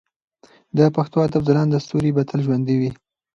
د پښتو ادب ځلانده ستوري به تل ژوندي وي.